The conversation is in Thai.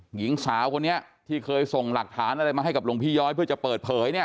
หญิงสาวคนนี้ที่เคยส่งหลักฐานอะไรมาให้กับหลวงพี่ย้อยเพื่อจะเปิดเผยเนี่ย